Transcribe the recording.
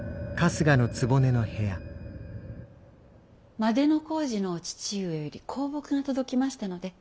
万里小路のお父上より香木が届きましたので。